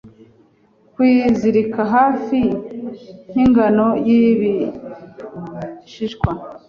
Kwizirika hafi nk'ingano y'ibishishwa